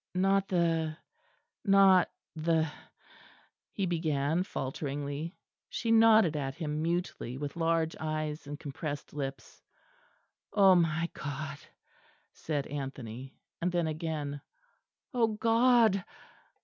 "Not the not the " he began, falteringly. She nodded at him mutely with large eyes and compressed lips. "Oh, my God," said Anthony; and then again, "O God."